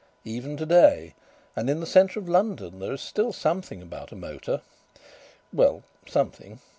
Even to day and in the centre of London there is still something about a motor well something....